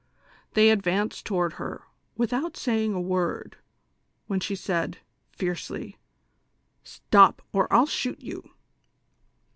" They advanced toward her without saying a word, when she said, tiercely :" Stop, or I'll shoot you